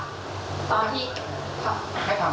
มีหน้าที่ถ่ายรูปโรงแรมรูปห้องพักแล้วก็สถาบิน